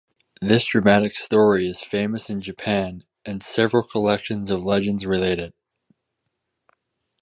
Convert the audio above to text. This dramatic story is famous in Japan and several collections of legends relate it.